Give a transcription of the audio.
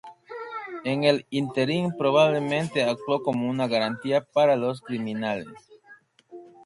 En el ínterin, probablemente actuó como una garantía para los criminales.